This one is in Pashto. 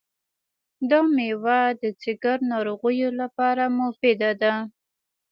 دا مېوه د ځیګر ناروغیو لپاره مفیده ده.